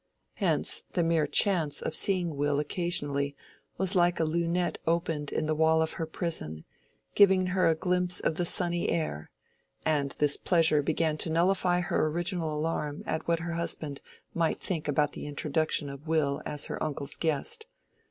Hence the mere chance of seeing Will occasionally was like a lunette opened in the wall of her prison, giving her a glimpse of the sunny air; and this pleasure began to nullify her original alarm at what her husband might think about the introduction of Will as her uncle's guest.